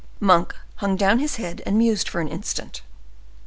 '" Monk hung down his head, and mused for an instant.